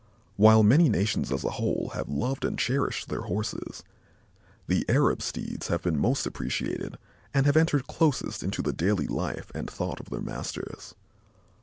While many nations as a whole have loved and cherished their Horses, the Arab steeds have been most appreciated and have entered closest into the daily life and thought of their masters.